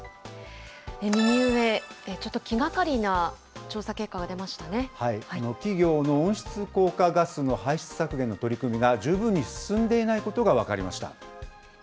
右上、ちょっと気がかりな調企業の温室効果ガスの排出削減の取り組みが十分に進んでいないことが分かりました。